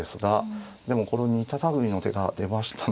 でもこの似た類いの手が出ましたね。